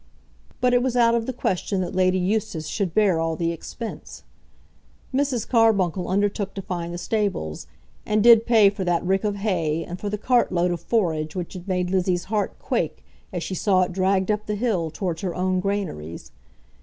But it was out of the question that Lady Eustace should bear all the expense. Mrs. Carbuncle undertook to find the stables, and did pay for that rick of hay and for the cart load of forage which had made Lizzie's heart quake as she saw it dragged up the hill towards her own granaries.